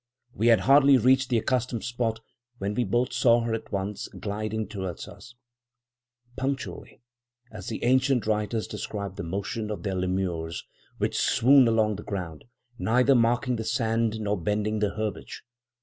We had hardly reached the accustomed spot, when we both saw her at once gliding towards us; punctually as the ancient writers describe the motion of their 'lemures, which swoon along the ground, neither marking the sand nor bending the herbage.'